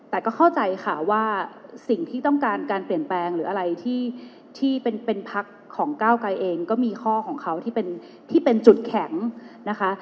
แต่ก็เข้าใจค่ะว่าสิ่งที่ต้องการการเปลี่ยนแปลงหรืออะไรที่เป็นพักของก้าวไกรเองก็มีข้อของเขาที่เป็นที่เป็นจุดแข็งนะคะ